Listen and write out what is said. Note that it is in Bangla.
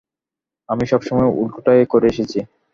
আমি সবসময় উল্টোটাই করে এসেছি।